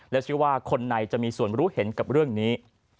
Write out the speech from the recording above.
และเชื่อว่าคนในจะมีส่วนรู้เห็นกับเรื่องนี้